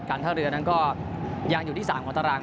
ท่าเรือนั้นก็ยังอยู่ที่๓ของตาราง